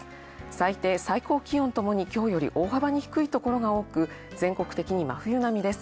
最低、最高気温ともにきょうより大幅に低いところが多く、全国的に真冬並みです。